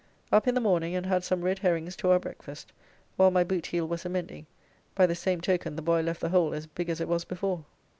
Up in the morning, and had some red herrings to our breakfast, while my boot heel was a mending, by the same token the boy left the hole as big as it was before.